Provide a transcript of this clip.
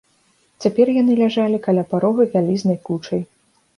Цяпер яны ляжалі каля парога вялізнай кучай.